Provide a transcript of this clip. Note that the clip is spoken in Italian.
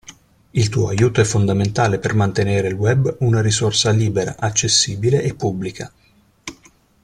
Il tuo aiuto è fondamentale per mantenere il Web una risorsa libera, accessibile e pubblica.